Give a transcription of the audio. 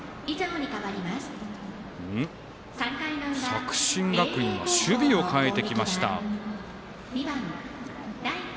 作新学院は守備を変えてきました。